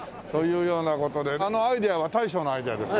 あのアイデアは大将のアイデアですか？